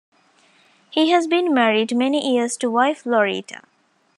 He has been married many years to wife Loretta.